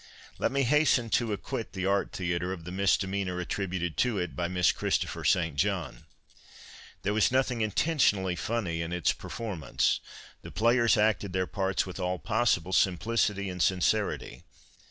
Let me hasten to acquit the Art Theatre of the mis demeanour attributed to it by Miss Christopher St. John. There was nothing intentionally funny in its performance. The players acted their parts with all possible simplicity and sincerity.